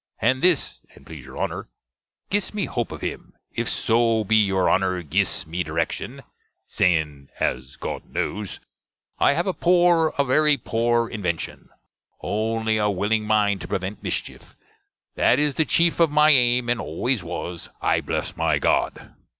And this, and plese your Honner, gis me hopes of him, if so be your Honner gis me direction; sen', as God kno'es, I have a poor, a verry poor invenshon; only a willing mind to prevent mischief, that is the chief of my aim, and always was, I bless my God!